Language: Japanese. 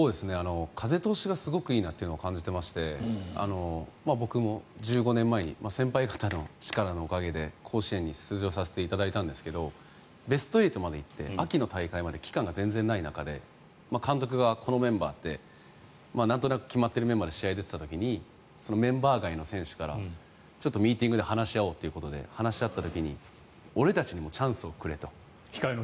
風通しがすごくいいなというのは感じていまして僕も１５年前に先輩方の力のおかげで甲子園に出場させていただいたんですがベスト８まで行って秋の大会まで期間が全然ない中で監督がこのメンバーってなんとなく決まっているメンバーで試合に出ていた時にメンバー外の選手からもミーティングで話し合おうということで話し合った時に俺たちにもチャンスをくれと。